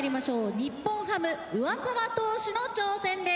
日本ハム・上沢投手の挑戦です。